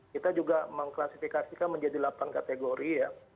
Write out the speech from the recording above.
kita juga mengklasifikasikan menjadi delapan kategori ya